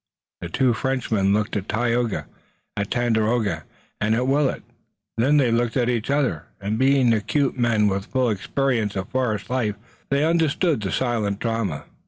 The two Frenchmen looked at Tayoga, at Tandakora and at Willet. Then they looked at each other, and being acute men with a full experience of forest life, they understood the silent drama.